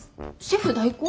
シェフ代行？